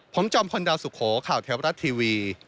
ผมจอมพลดาวสุโขข่าวเทวรัฐทีวี